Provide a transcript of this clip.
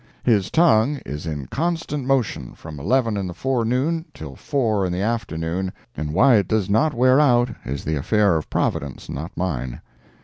His tongue is in constant motion from 11 in the forenoon till four in the afternoon, and why it does not wear out is the affair of Providence, not mine.